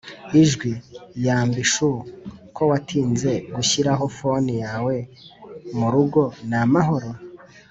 ijwi: yambiii chou ! kowatinze gushyiraho foni yawe murugo ni amahoro?